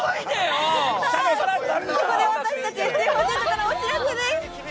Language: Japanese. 私たちＳＴＵ４８からお知らせです。